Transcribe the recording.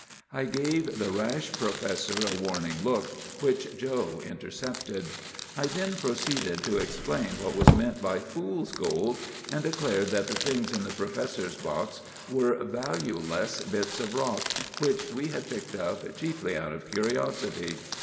"I gave the rash professor a warning look, which Joe intercepted. I then proceeded to explain what was meant by 'Fools' gold,' and declared that the things in the professor's box were valueless bits of rock, which we had picked up chiefly out of curiosity.